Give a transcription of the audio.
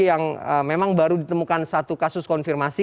yang memang baru ditemukan satu kasus konfirmasi